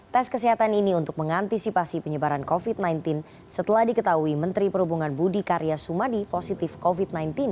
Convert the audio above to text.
tes kesehatan ini untuk mengantisipasi penyebaran covid sembilan belas setelah diketahui menteri perhubungan budi karya sumadi positif covid sembilan belas